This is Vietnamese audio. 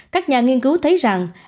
các nhà nghiên cứu thấy rằng